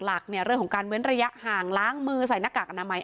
เรื่องของการเมื้อนระยะห่างล้างมือใส่หน้ากากอนามัย